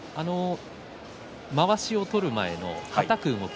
まわしを取る前のはたく動き